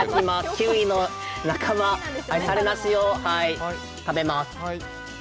キウイの仲間、さるなしを、食べまーす。